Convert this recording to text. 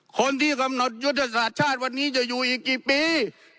คนที่กำหนดยุทธศาสตร์ชาติวันนี้จะอยู่อีกกี่ปี